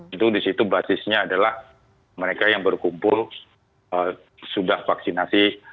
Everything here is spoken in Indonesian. itu di situ basisnya adalah mereka yang berkumpul sudah vaksinasi